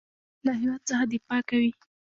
دوی له هیواد څخه دفاع کوي.